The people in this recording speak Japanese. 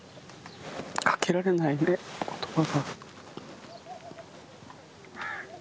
かけられないね、言葉が。